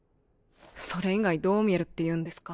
それ以外どう見えるっていうんですか？